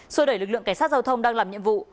sôi đẩy lực lượng cảnh sát giao thông đang làm nhiệm vụ